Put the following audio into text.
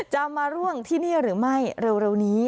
จะมาร่วงที่นี่หรือไม่เร็วนี้